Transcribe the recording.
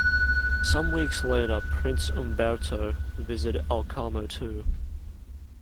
Some weeks later, prince Umberto visited Alcamo too.